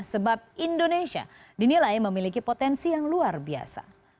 sebab indonesia dinilai memiliki potensi yang luar biasa